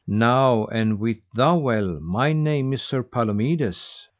Now, and wit thou well, my name is Sir Palomides.